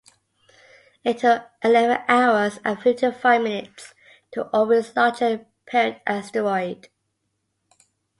It took eleven hours and fifty-five minutes to orbit its larger parent asteroid